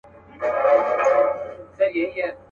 پر ساحل باندي ولاړ یمه زنګېږم.